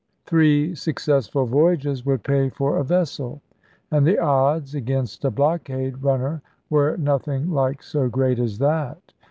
Three successful voyages would pay for a vessel ; and the odds against a blockade run ner were nothing like so great as that.